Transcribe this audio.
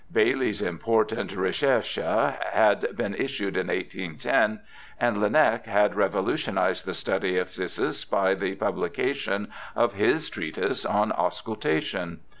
Bayle's important Recherches had been issued in 1810, and Laennec had revolutionized the study of phthisis by the publication of his treatise on auscultation.